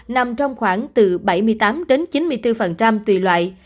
nằm trong khoảng từ bảy mươi tám đến chín mươi bốn tùy loại